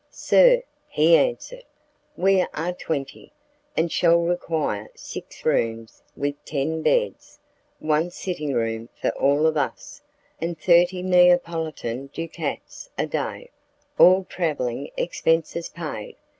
"Sir," he answered, "we are twenty, and shall require six rooms with ten beds, one sitting room for all of us, and thirty Neapolitan ducats a day, all travelling expenses paid.